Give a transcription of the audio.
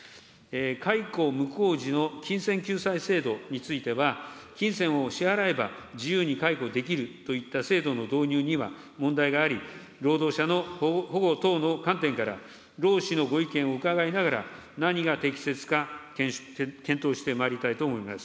解雇無効時の金銭救済制度については、金銭を支払えば、自由に解雇できるといった制度の導入には問題があり、労働者の保護等の観点から、労使のご意見を伺いながら、何が適切か、検討してまいりたいと思います。